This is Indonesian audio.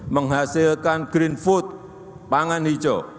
menghasilkan green food pangan hijau